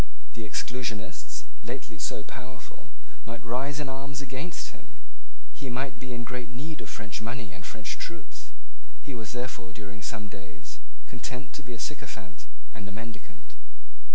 The Exclusionists, lately so powerful, might rise in arms against him. He might be in great need of French money and French troops. He was therefore, during some days, content to be a sycophant and a mendicant.